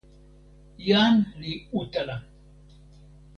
jan li utala.